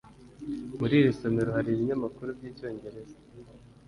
muri iri somero hari ibinyamakuru byicyongereza